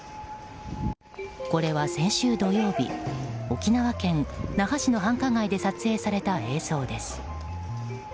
これは先週土曜日沖縄県那覇市の繁華街で撮影された映像です。